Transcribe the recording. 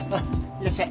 いらっしゃい。